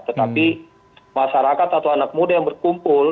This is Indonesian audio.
tetapi masyarakat atau anak muda yang berkumpul